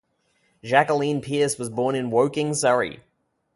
Jacqueline Pearce was born in Woking, Surrey.